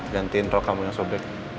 gantiin roh kamu yang sobek